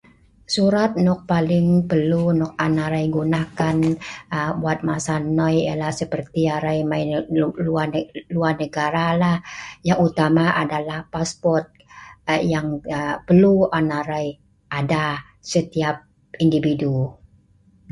Surat nok perlu on arai sedia mai luar negara ,ialah passport,